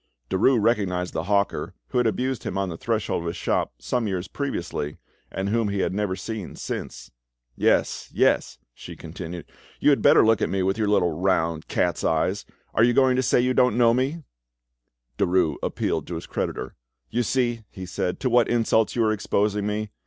Derues recognised the hawker who had abused him on the threshold of his shop some years previously, and whom he had never seen since. "Yes, yes," she continued, "you had better look at me with your little round cat's eyes. Are you going to say you don't know me?" Derues appealed to his creditor. "You see," he said, "to what insults you are exposing me.